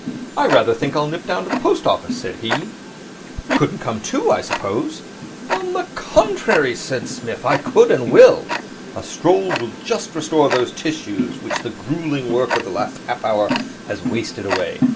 'I rather think I'll nip down to the post office,' said he, 'You couldn't come too, I suppose?' 'On the contrary,' said Psmith, 'I could, and will. A stroll will just restore those tissues which the gruelling work of the last half hour has wasted away.